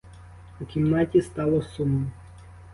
У кімнаті стало сумно.